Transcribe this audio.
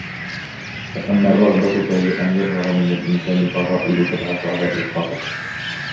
فَأَمَّا الرَّغْبَةُ فَهِيَ أَنْ يَظْهَرَ مِنْ الْإِنْسَانِ فَضَائِلُ تَبْعَثُ عَلَى إخَائِهِ